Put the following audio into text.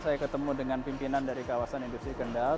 saya ketemu dengan pimpinan dari kawasan industri kendal